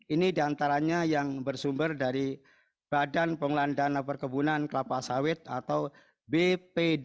ini diantaranya yang bersumber dari badan pengelolaan dana perkebunan kelapa sawit atau bpd